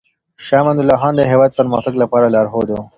شاه امان الله خان د هېواد د پرمختګ لپاره لارښود و.